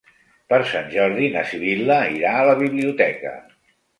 Per Sant Jordi na Sibil·la irà a la biblioteca.